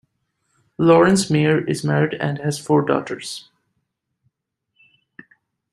Laurenz Meyer is married and has four daughters.